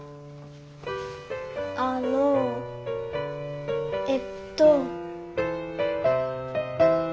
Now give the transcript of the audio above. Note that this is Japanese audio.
あのえっと。